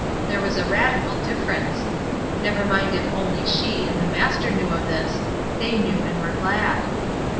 There was a radical difference. Never mind if only she and the Master knew of this — they knew and were glad.